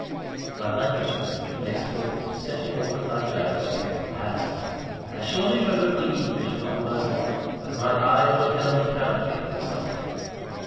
VIII. My manuscript lay before me, set in order by Clara's careful hand. I slowly turned over the leaves one by one; but my eye only fell mechanically on the writing.